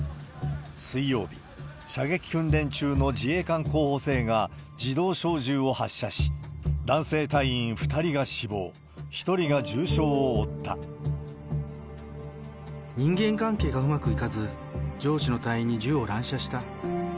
水曜日、射撃訓練中の自衛官候補生が自動小銃を発射し、男性隊員２人が死人間関係がうまくいかず、上司の隊員に銃を乱射した。